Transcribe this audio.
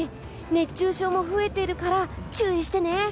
熱中症も増えているから注意してね。